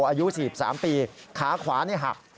อายุ๔๓ปีขาขวาหัก